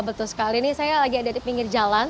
betul sekali ini saya lagi ada di pinggir jalan